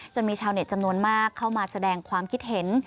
ชาวมีชาวเน็ตจำนวนมากเข้ามาแสดงความคิดเห็น